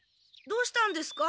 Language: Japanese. どうしたんですか？